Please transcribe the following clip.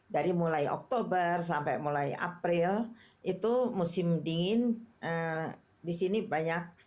dari mulai oktober sampai mulai april itu musim dingin di sini banyak